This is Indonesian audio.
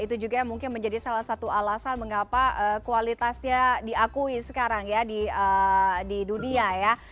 itu juga yang mungkin menjadi salah satu alasan mengapa kualitasnya diakui sekarang ya di dunia ya